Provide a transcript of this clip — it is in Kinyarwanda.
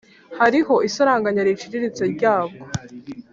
hariho isaranganya riciriritse ryabwo,